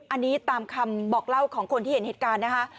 อันนี้ตามคำบอกเล่าของคนที่เห็นเหตุการณ์นะคะ